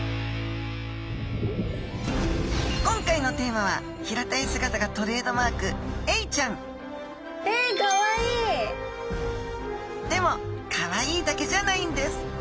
今日のテーマは平たい姿がトレードマークエイちゃんでもかわいいだけじゃないんです！